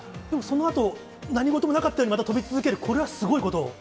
でもそのあと、何事もなかったように、また飛び続ける、これはすごいこと？